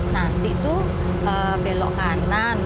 nanti tuh belok kanan